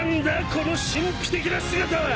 この神秘的な姿は！